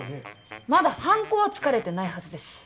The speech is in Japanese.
まだはんこはつかれてないはずです。